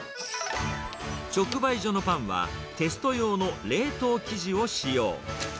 直売所のパンは、テスト用の冷凍生地を使用。